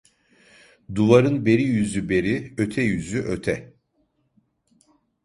Duvarın beri yüzü beri, öte yüzü öte.